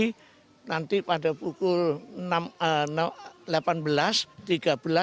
jadi nanti pada pukul